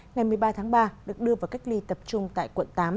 ngày một mươi ba tháng ba được đưa vào cách ly tập trung tại quận tám